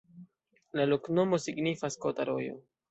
La loknomo signifas: kota-rojo.